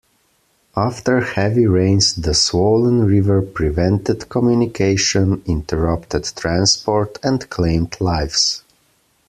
After heavy rains the swollen river prevented communication, interrupted transport and claimed lives.